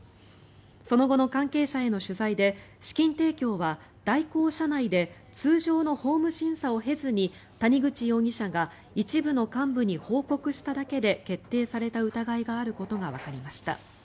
その後の関係者への取材で資金提供は大広社内で通常の法務審査を経ずに谷口容疑者が一部の幹部に報告しただけで決定された疑いがあることがわかりました。